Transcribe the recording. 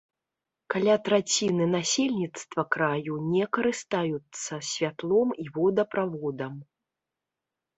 Каля траціны насельніцтва краю не карыстаюцца святлом і водаправодам.